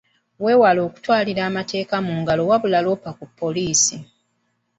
Weewale okutwalira amateeka mu ngalo wabula loopa ku poliisi.